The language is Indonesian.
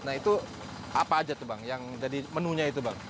nah itu apa aja tuh bang yang jadi menunya itu bang